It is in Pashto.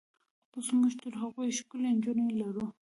اوس موږ تر هغوی ښکلې نجونې لرو.